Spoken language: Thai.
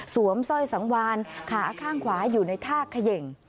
สร้อยสังวานขาข้างขวาอยู่ในท่าเขย่ง